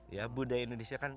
ya budaya indonesia kan